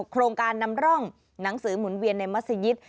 โครงการนำร่องหนังสือหมุนเวียนในมัศยิต